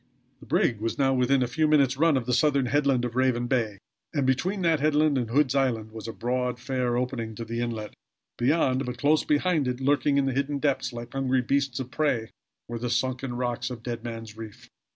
The brig was now within a few minutes' run of the southern headland of Raven Bay, and between that headland and Hood's Island was a broad, fair opening to the inlet beyond; but close behind it, lurking in the hidden depths like hungry beasts of prey were the sunken rocks of Dead Man's Reef.